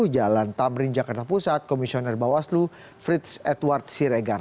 jalan tamrin jakarta pusat komisioner bawaslu frits edward siregar